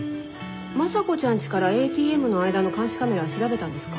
まさこちゃんちからＡＴＭの間の監視カメラは調べたんですか？